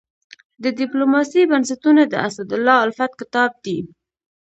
د ډيپلوماسي بنسټونه د اسدالله الفت کتاب دی.